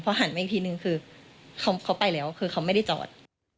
หันมาอีกทีนึงคือเขาไปแล้วคือเขาไม่ได้จอด